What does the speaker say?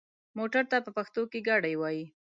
موټر ته په پښتو کې ګاډی وايي.